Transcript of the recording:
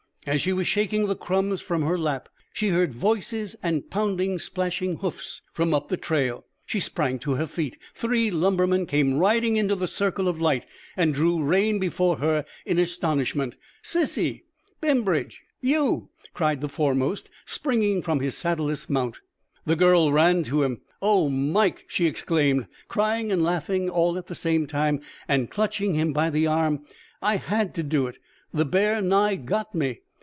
As she was shaking the crumbs from her lap, she heard voices and pounding, splashing hoofs from up the trail. She sprang to her feet. Three lumbermen came riding into the circle of light, and drew rein before her in astonishment. "Sissy Bembridge you!" cried the foremost, springing from his saddleless mount. The girl ran to him. "Oh, Mike," she exclaimed, crying and laughing all at the same time, and clutching him by the arm, "I had to do it! The bear nigh got me!